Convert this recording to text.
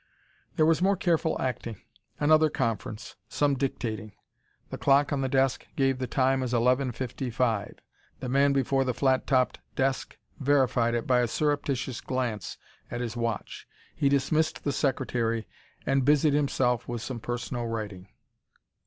There was more careful acting another conference some dictating. The clock on the desk gave the time as eleven fifty five. The man before the flat topped desk verified it by a surreptitious glance at his watch. He dismissed the secretary and busied himself with some personal writing.